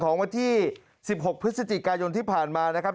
ของวันที่สิบหกพฤศจิกายนที่ผ่านมานะครับ